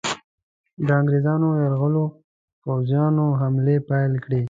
د انګریزانو یرغلګرو پوځیانو حملې پیل کړې.